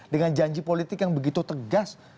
dengan janji politik yang begitu tegas